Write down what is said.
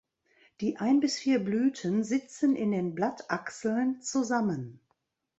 Die ein bis vier Blüten sitzen in den Blattachseln zusammen.